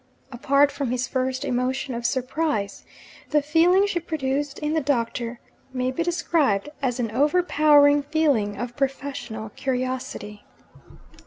Apart from his first emotion of surprise, the feeling she produced in the Doctor may be described as an overpowering feeling of professional curiosity.